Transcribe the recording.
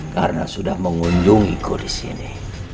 karena sudah mengunjungiku disini